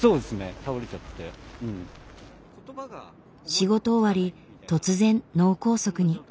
仕事終わり突然脳梗塞に。